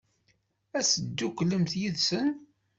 Ad tedduklemt yid-sen?